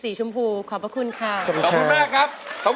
ร้องเข้าให้เร็ว